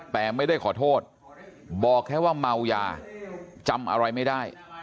แต่ไม่ได้ขอโทษบอกแค่ว่าเมายาจำอะไรไม่ได้